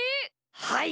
はい。